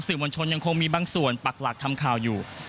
มวลชนยังคงมีบางส่วนปักหลักทำข่าวอยู่